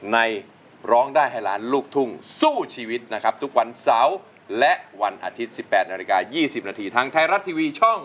ในร้องได้ให้ล้านลูกทุ่งสู้ชีวิตนะครับทุกวันเสาร์และวันอาทิตย์๑๘นาฬิกา๒๐นาทีทางไทยรัฐทีวีช่อง